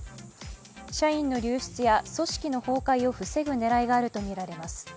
社員の流出や組織の崩壊を防ぐ狙いがあるとみられます。